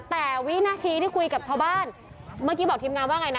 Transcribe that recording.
แต่วินาทีที่คุยกับชาวบ้านเมื่อกี้บอกทีมงานว่าไงนะ